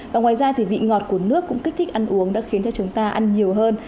và ngoài ra thì vị ngọt của nước cũng kích thích ăn uống đã khiến cho chúng ta ăn nhiều hơn